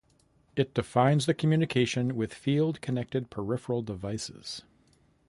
It defines the communication with field connected peripheral devices.